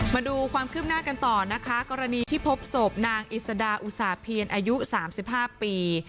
มาดูความคืบหน้ากันต่อนะคะกรณีที่พบศพนางอิสดาอุตสาเพียรอายุ๓๕ปี